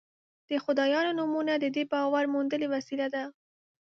د خدایانو نومونه د دې باور موندنې وسیله ده.